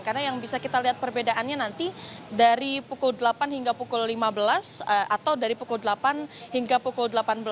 karena yang bisa kita lihat perbedaannya nanti dari pukul delapan hingga pukul lima belas atau dari pukul delapan hingga pukul delapan belas